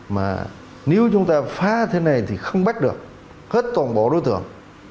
mà nếu chúng ta phá thế này thì không bắt được hết toàn bộ đối tượng